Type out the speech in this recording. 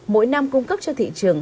mỗi năm cung cấp cho thị trường